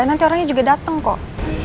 nanti orangnya juga datang kok